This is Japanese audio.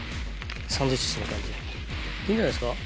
サンドイッチする感じやいいんじゃないですか。